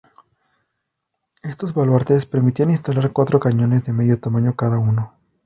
Estos baluartes, permitían instalar cuatro cañones de medio tamaño cada uno.